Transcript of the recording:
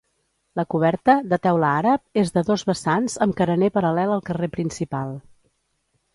La coberta, de teula àrab, és de dos vessants amb carener paral·lel al carrer principal.